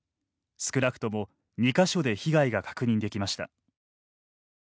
少なくとも２か所で被害が確認できました。